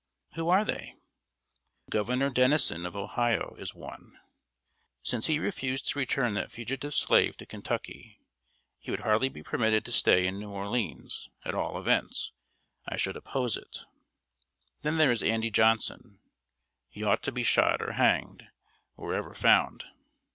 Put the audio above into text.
"Who are they?" "Governor Dennison, of Ohio, is one. Since he refused to return that fugitive slave to Kentucky, he would hardly be permitted to stay in New Orleans; at all events, I should oppose it. Then there is Andy Johnson. He ought to be shot, or hanged, wherever found.